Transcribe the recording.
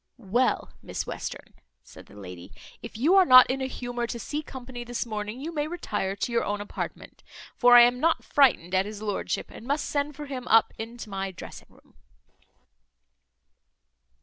"Well, Miss Western," said the lady, "if you are not in a humour to see company this morning, you may retire to your own apartment; for I am not frightened at his lordship, and must send for him up into my dressing room."